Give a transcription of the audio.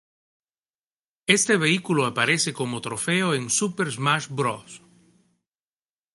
Este vehículo aparece como trofeo en "Super Smash Bros.